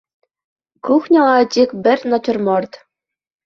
Кухняла тик бер натюрморт